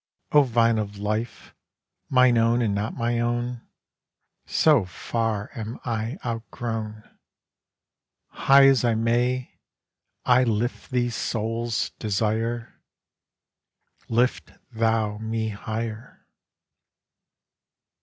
O Vine of Life, my own and not my own, So far am I outgrown! High as I may, I lift thee, Soul's Desire. Lift thou me higher.